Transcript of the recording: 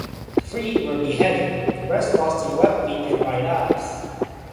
Three were beheaded; the rest lost their left feet and right eyes.